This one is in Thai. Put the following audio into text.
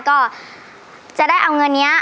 ก็จะได้เอาเงินนี้